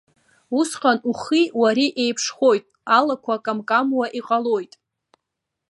Усҟан ухи иареи еиԥшхоит, алақәа камкамуа иҟалоит.